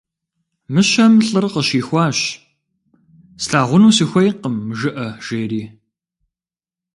Мыщэм лӀыр къыщихуащ: - «Слъагъуну сыхуейкъым» жыӀэ, - жери.